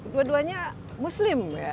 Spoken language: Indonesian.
dua duanya muslim ya